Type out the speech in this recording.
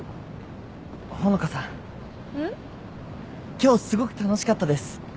今日すごく楽しかったです。